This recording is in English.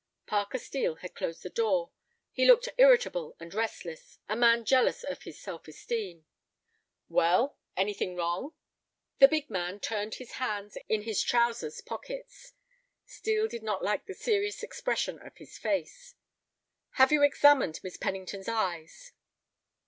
Parker Steel had closed the door. He looked irritable and restless, a man jealous of his self esteem. "Well? Anything wrong?" The big man turned with his hands in his trousers pockets. Steel did not like the serious expression of his face. "Have you examined Miss Pennington's eyes?"